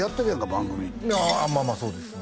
番組まあまあそうですね